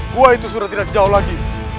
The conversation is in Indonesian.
gua itu sudah tidak jauh lagi